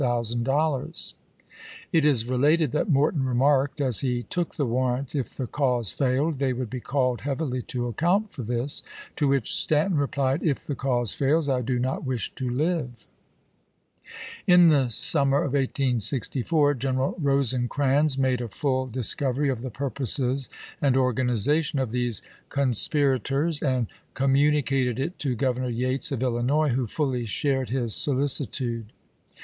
1870, p. 242. 250,000 dollars. It is related that Morton remarked, as he took the warrant, if the cause failed, they would be called heavily to account for this; to which Stanton replied, " If the cause fails, I do not wish to live." In the summer of 1864 General Rosecrans made a full discovery of the purposes and organization of these conspirators, and communicated it to Grov ernor Yates of Illinois, who fully shared his solici tude.